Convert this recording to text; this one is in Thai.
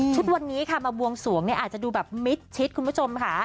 วันนี้ค่ะมาบวงสวงเนี่ยอาจจะดูแบบมิดชิดคุณผู้ชมค่ะ